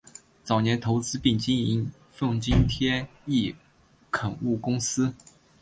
早年投资并经营奉锦天一垦务公司。